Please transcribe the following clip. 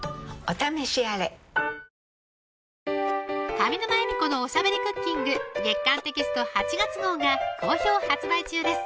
上沼恵美子のおしゃべりクッキング月刊テキスト８月号が好評発売中です